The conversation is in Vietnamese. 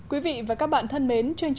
quý vị và các bạn thân mến